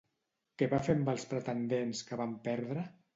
Què va fer amb els pretendents que van perdre?